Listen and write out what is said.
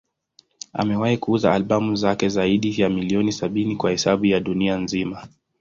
Amewahi kuuza albamu zake zaidi ya milioni sabini kwa hesabu ya dunia nzima.